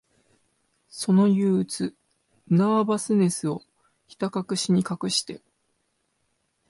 その憂鬱、ナーバスネスを、ひたかくしに隠して、